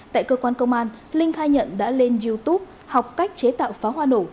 tại cơ quan công an linh khai nhận đã lên youtube học cách chế tạo pháo hoa nổ